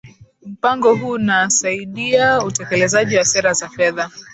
mpango huo unasaidia utekelezaji wa sera za fedha